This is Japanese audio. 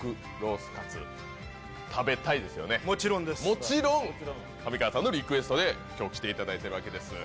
もちろん上川さんのリクエストで今日来ていただいているわけです。